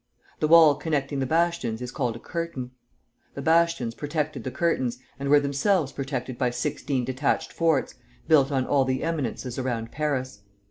The wall connecting the bastions is called a curtain. The bastions protected the curtains, and were themselves protected by sixteen detached forts, built on all the eminences around Paris.